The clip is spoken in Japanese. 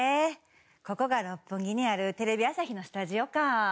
ここが六本木にあるテレビ朝日のスタジオか。